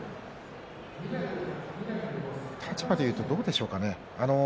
立場でいうとどうでしょうか？